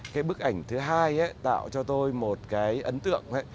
cái bức ảnh thứ hai tạo cho tôi một cái ấn tượng ấy